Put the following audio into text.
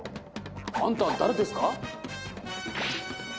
あんた誰ですか？